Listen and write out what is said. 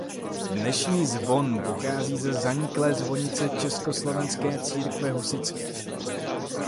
Dnešní zvon pochází ze zaniklé zvonice československé církve husitské.